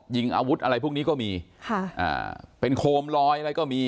ยิงอาวุธอะไรพวกนี้ก็มีค่ะอ่าเป็นโคมลอยอะไรก็มี